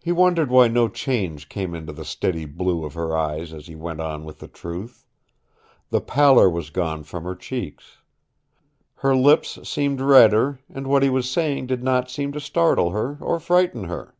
He wondered why no change came into the steady blue of her eyes as he went on with the truth. The pallor was gone from her cheeks. Her lips seemed redder, and what he was saying did not seem to startle her, or frighten her.